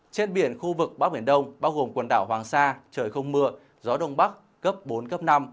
trên biển khu vực bắc biển đông bao gồm quần đảo hoàng sa trời không mưa gió đông bắc cấp bốn cấp năm